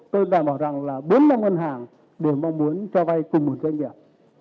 tôi đảm bảo rằng là bốn năm ngân hàng đều mong muốn cho vai cùng một doanh nghiệp